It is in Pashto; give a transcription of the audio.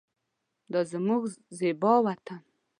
دا زمونږ زیبا وطن